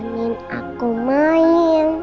sering menemani aku main